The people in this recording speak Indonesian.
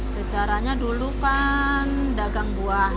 sejarahnya dulu kan dagang buah